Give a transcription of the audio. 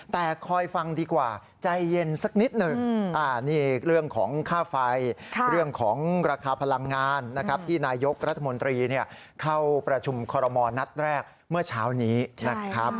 แต่คอยฟังดีกว่าใจเย็นสักนิดหนึ่ง